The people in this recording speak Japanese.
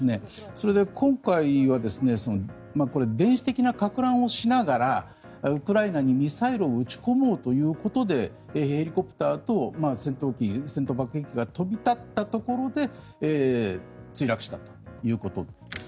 それで、今回はこれは電子的なかく乱をしながらウクライナにミサイルを撃ち込もうということでヘリコプターと戦闘機戦闘爆撃機が飛び立ったところで墜落したということです。